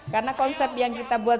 karena konsep yang kita buat